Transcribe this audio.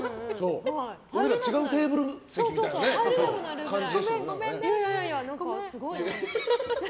俺ら違うテーブル席みたいな感じ。